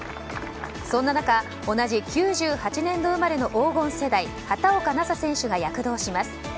そんな中、同じ９８年生まれの黄金世代、畑岡奈紗選手が躍動します。